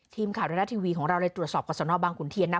ทีมข่าวไทยรัฐทีวีของเราเลยตรวจสอบกับสนบังขุนเทียนนะ